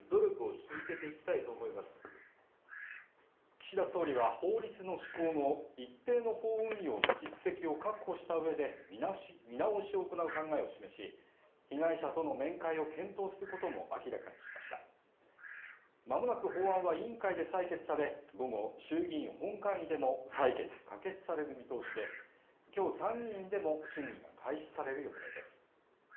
岸田総理は法律の施行後一定の法運用の実績を確保したうえで見直しを行う考えを示し被害者との面会を検討することも明らかにしましたまもなく法案は委員会で採決され午後衆議院本会議でも採決可決される見通しで今日参議院でも審議が開始される予定です